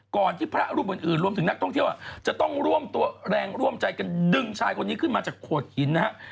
ที่พระรูปอื่นรวมถึงนักท่องเที่ยวจะต้องร่วมตัวแรงร่วมใจกันดึงชายคนนี้ขึ้นมาจากโขดหินนะฮะ